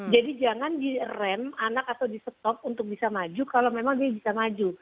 jadi jangan direm anak atau disetop untuk bisa maju kalau memang dia bisa maju